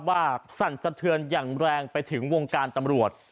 สั่นสะเทือนอย่างแรงไปถึงวงการตำรวจ